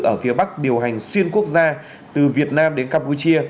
ở phía bắc điều hành xuyên quốc gia từ việt nam đến campuchia